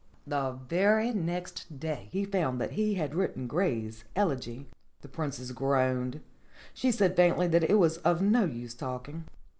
The very next day he found that he had written Gray's 'Elegy.' ' The Princess groaned. She said faintly that it was of no use talking.